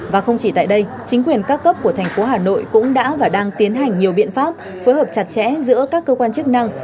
và không chỉ tại đây chính quyền các cấp của thành phố hà nội cũng đã và đang tiến hành nhiều biện pháp phối hợp chặt chẽ giữa các cơ quan chức năng